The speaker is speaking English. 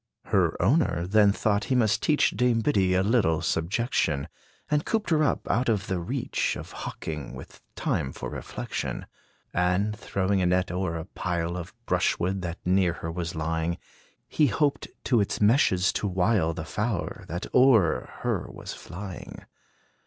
Her owner then thought he must teach Dame Biddy a little subjection; And cooped her up, out of the reach Of hawking, with time for reflection. And, throwing a net o'er a pile Of brush wood that near her was lying, He hoped to its meshes to wile The fowler, that o'er her was flying.